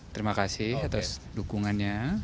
terima kasih atas dukungannya